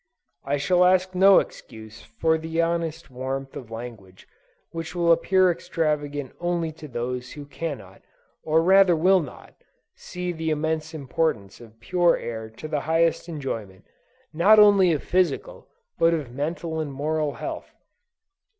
I shall ask no excuse for the honest warmth of language which will appear extravagant only to those who cannot, or rather will not, see the immense importance of pure air to the highest enjoyment, not only of physical, but of mental and moral health.